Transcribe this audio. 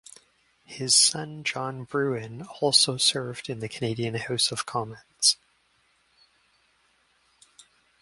His son John Brewin also served in the Canadian House of Commons.